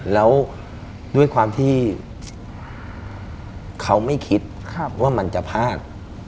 แล้วด้วยความที่เขาไม่คิดว่ามันจะพลาด